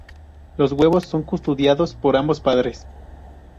Los huevos son custodiados por ambos padres.